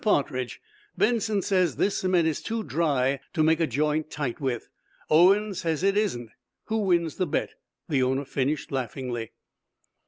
Partridge, Benson says this cement is too dry to make a joint tight with. Owen says it isn't. Who wins the bet?" the owner finished, laughingly.